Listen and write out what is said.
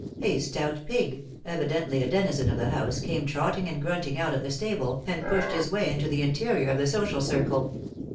A stout pig, evidently a denizen of the house, came trotting and grunting out of the stable, and pushed his way into the interior of the social circle.